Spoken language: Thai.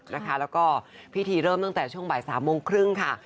แล้วก็พิธีเริ่มตั้งแต่ช่วงบ่าย๓โมงครึ่งค่ะ